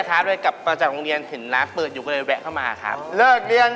ฉันดันฟ้าครับไอ้หนูอยู่ชั้นไหนล่ะ